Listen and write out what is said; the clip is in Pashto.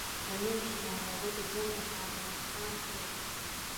د میاشتنۍ ناروغۍ د ځنډ لپاره د زعفران چای وڅښئ